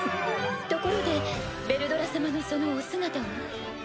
ところでヴェルドラ様のそのお姿は？